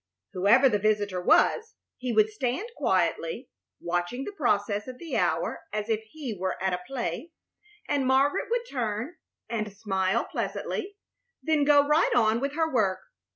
Whoever the visitor was, he would stand quietly, watching the process of the hour as if he were at a play, and Margaret would turn and smile pleasantly, then go right on with her work.